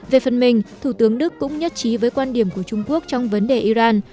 về phần mình thủ tướng đức cũng nhất trí với quan điểm của trung quốc trong vấn đề iran